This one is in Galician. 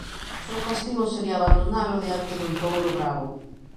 O seu castigo sería abandonalo diante dun touro bravo.